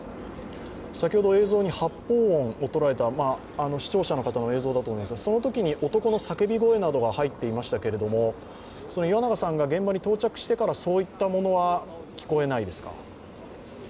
先ほど、映像に発砲音を捉えた視聴者の方の映像だと思いますがそのときに男の叫び声なども入っていましたけれども、岩永さんが現場に到着してからそういったものは聞こえないですか？